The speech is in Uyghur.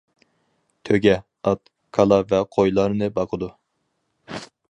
تۆگە، ئات، كالا ۋە قويلارنى باقىدۇ.